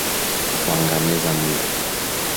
Kuangamiza mbu